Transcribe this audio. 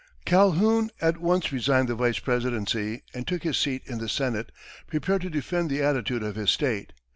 Calhoun at once resigned the vice presidency and took his seat in the Senate, prepared to defend the attitude of his state.